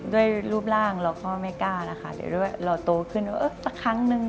ที่เรารู้สึกว่าเราพอใจ